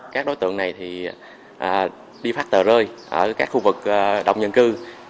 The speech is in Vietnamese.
các đối tượng này đi phát tờ rơi ở các khu vực đồng nhân cư